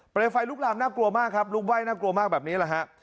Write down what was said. เป็นไฟลุกลามน่ากลัวมากครับลุกไหม้น่ากลัวมากแบบนี้แหละฮะ